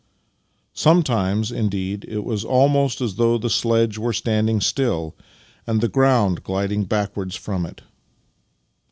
Sometimes, indeed, it was almost as though the sledge were standing still and the ground gliding backwards from it.